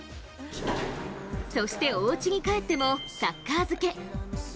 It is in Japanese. そして、おうちに帰ってもサッカー漬け。